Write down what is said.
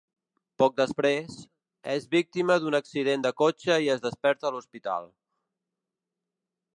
Poc després, és víctima d'un accident de cotxe i es desperta a l'hospital.